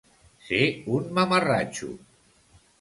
Ser un mamarratxo.